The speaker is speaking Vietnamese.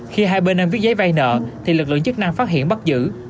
khi hai bên em viết giấy vay nợ thì lực lượng chức năng phát hiện bắt giữ